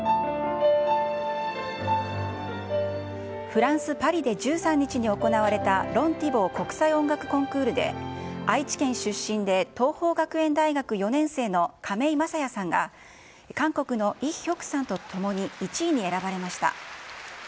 フランス・パリで１３日に行われたロン・ティボー国際音楽コンクールで、愛知県出身で桐朋学園大学４年生の亀井聖矢さんが、韓国のイ・ヒョクさんと共に１位に選ばれました。